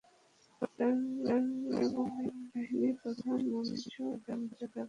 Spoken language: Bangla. চুয়াডাঙ্গায় মোমিন বাহিনীর প্রধান মোমিনসহ তিন চাঁদাবাজ-সন্ত্রাসীকে পিটিয়ে পুলিশে দিয়েছে স্থানীয় জনতা।